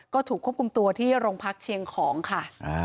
ก็ถูกควบคุมตัวที่โรงพักเชียงของค่ะ